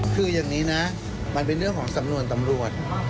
คืออย่างนี้นะมันเป็นเรื่องของสำนวนตำรวจ